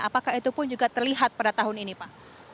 apakah itu pun juga terlihat pada tahun ini pak